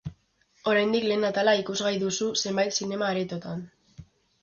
Oraindik lehen atala ikusgai duzu zenbait zinema-aretotan.